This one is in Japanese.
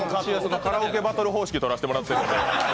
カラオケバトル方式とらせてもらってるんで。